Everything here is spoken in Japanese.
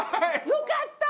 よかった！